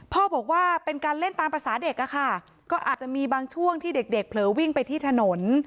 พ่อบอกว่าเป็นการเล่นตามภาษาเด็กอะค่ะก็อาจจะมีบางช่วงที่เด็กเผลอวิ่งไปที่ถนน